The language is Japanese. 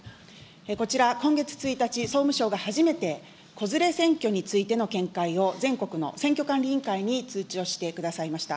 こちら、今月１日、総務省が初めて子連れ選挙についての見解を全国の選挙管理委員会に通知をしてくださいました。